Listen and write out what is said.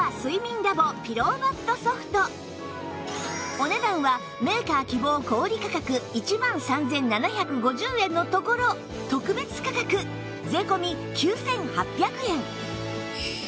お値段はメーカー希望小売価格１万３７５０円のところ特別価格税込９８００円